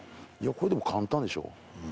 これでも簡単でしょう。